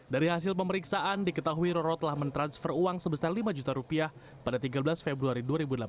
dari hasil pemeriksaan diketahui roro telah mentransfer uang sebesar lima juta rupiah pada tiga belas februari dua ribu delapan belas